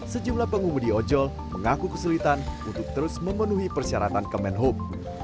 sejumlah pengumudi ojol mengaku kesulitan untuk terus memenuhi persyaratan kemenhub